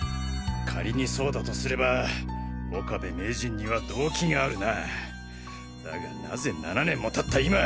仮にそうだとすれば岡部名人には動機があるなだがなぜ７年も経った今。